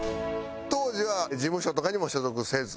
当時は事務所とかにも所属せず？